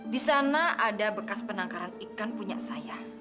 di sana ada bekas penangkaran ikan punya saya